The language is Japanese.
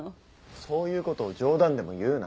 そういうことを冗談でも言うな。